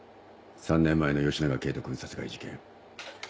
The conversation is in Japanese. ３年前の吉長圭人君殺害事件。